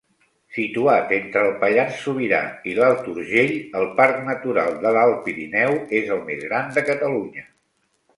Situat entre el Pallars Sobirà i l'Alt Urgell, el Parc Natural de l'Alt Pirineu és el més gran de Catalunya.